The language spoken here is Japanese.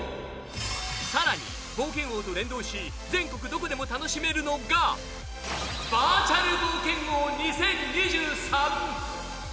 さらに、冒険王と連動し全国どこでも楽しめるのがバーチャル冒険王２０２３。